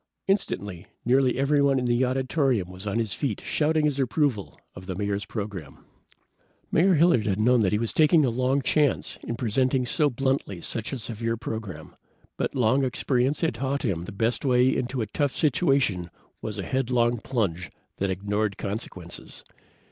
Instantly, nearly everyone in the auditorium was on his feet shouting his approval of the Mayor's program. Mayor Hilliard had known he was taking a long chance in presenting so bluntly such a severe program, but long experience had taught him the best way into a tough situation was a headlong plunge that ignored consequences.